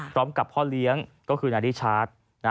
พร้อมกับพ่อเลี้ยงก็คือนาริชาติ